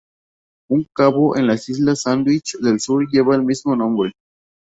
Un cabo en las islas Sandwich del Sur lleva el mismo nombre.